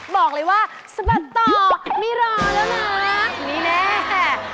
บอกเลยว่าสะบัดต่อไม่รอแล้วนะไม่แน่